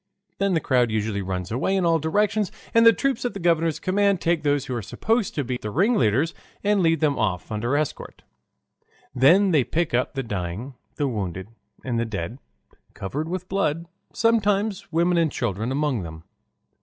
Then the crowd usually runs away in all directions, and the troops at the governor's command take those who are supposed to be the ringleaders and lead them off under escort. Then they pick up the dying, the wounded, and the dead, covered with blood, sometimes women and children among them.